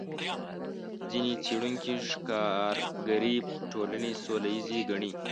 ځینې څېړونکي ښکارګرې ټولنې سوله ییزې ګڼي.